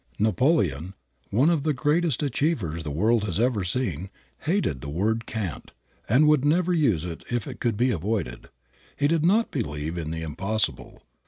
Napoleon, one of the greatest achievers the world has ever seen, hated the word "can't" and would never use it if it could be avoided. He did not believe in the "impossible."